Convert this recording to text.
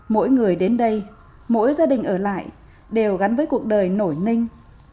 mỗi người đến đây mỗi gia đình ở lại đều gắn với cuộc đời nổi ninh